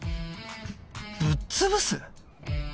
ぶっ潰す？